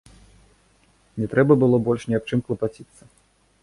Не трэба было больш ні аб чым клапаціцца.